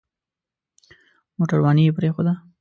موټرواني يې پرېښوده.